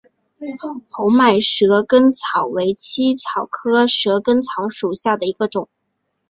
红脉蛇根草为茜草科蛇根草属下的一个种。